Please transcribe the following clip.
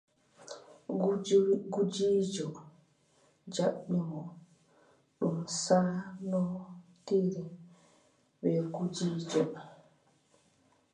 Gudiijo jaɓɓi mo, ɗum saanootiri bee gudiijo.